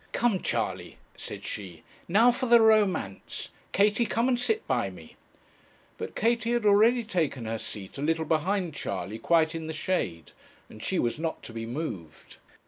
'Come, Charley,' said she, 'now for the romance. Katie, come and sit by me.' But Katie had already taken her seat, a little behind Charley, quite in the shade, and she was not to be moved.